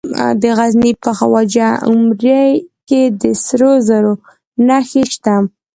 د غزني په خواجه عمري کې د سرو زرو نښې شته.